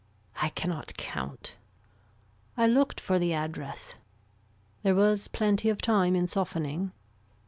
I cannot count. I looked for the address. There was plenty of time in softening.